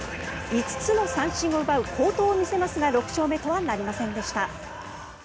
５つの三振を奪う好投を見せますが６勝目とはなりませんでした。